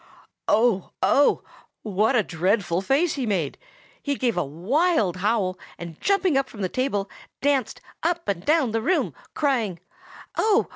Oh, oh! what a dreadful face he made! He gave a wild howl, and jumping up from the table, danced up and down the room, crying, "Oh!